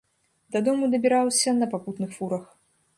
Дадому дабіраўся на папутных фурах.